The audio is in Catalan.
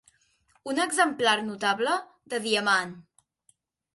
Un exemplar notable de diamant.